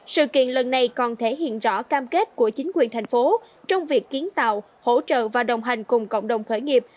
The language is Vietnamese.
sự kiện lần này còn thể hiện rõ cam kết của chính quyền thành phố trong việc kiến tạo hỗ trợ và đồng hành cùng cộng đồng khởi nghiệp